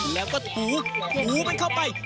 แล้วก็ถูถูมันเข้าไป